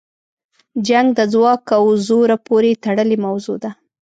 جنګ د ځواک او زوره پورې تړلې موضوع ده.